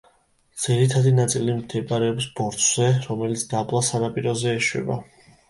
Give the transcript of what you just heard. ძირითადი ნაწილი მდებარეობს ბორცვზე, რომელიც დაბლა, სანაპიროზე ეშვება.